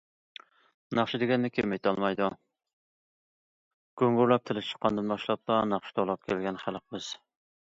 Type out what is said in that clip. ناخشا دېگەننى كىم ئېيتالمايدۇ؟ گۇڭۇرلاپ تىلى چىققاندىن باشلاپلا ناخشا توۋلاپ كەلگەن خەلق بىز.